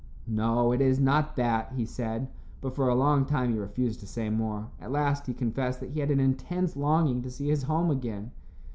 "No, it is not that," he said, but for a long time he refused to say more. At last he confessed that he had an intense longing to see his home again.